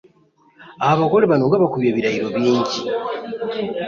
Abagole bano nga bakubye ebirayiro bingi.